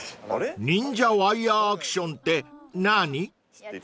［忍者ワイヤーアクションって何？］